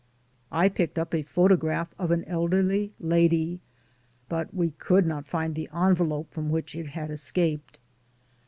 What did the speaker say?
I picked up a photograph of an elderly lady, but we could not find the en velope from which it had escaped.